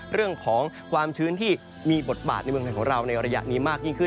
เรื่องของความชื้นที่มีบทบาทในเมืองไทยของเราในระยะนี้มากยิ่งขึ้น